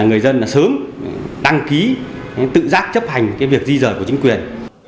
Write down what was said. người dân sớm đăng ký tự giác chấp hành việc di rời của chính quyền